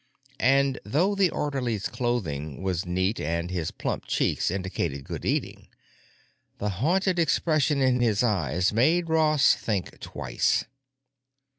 And though the orderly's clothing was neat and his plump cheeks indicated good eating, the haunted expression in his eyes made Ross think twice.)